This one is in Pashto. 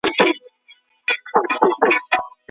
د ټرافیکي پیښو ټپیان چيري وړل کیږي؟